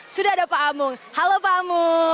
sudah ada pak amung halo pak amu